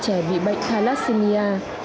trẻ bị bệnh thalassemia